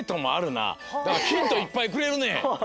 ヒントいっぱいくれるね。